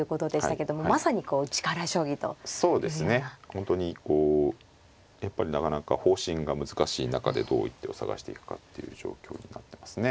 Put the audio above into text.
本当にこうやっぱりなかなか方針が難しい中でどう一手を探していくかっていう状況になってますね。